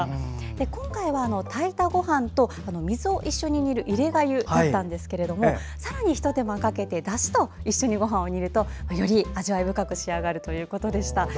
今回は炊いたごはんと水を一緒に煮る入れがゆだったんですけどもさらに、ひと手間をかけてだしと一緒にごはんを煮るとより味わい深く仕上がるということでした。